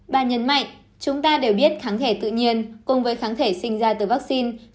bà nhấn mạnh chúng ta đều biết kháng thể tự nhiên cùng với kháng thể sinh ra từ vaccine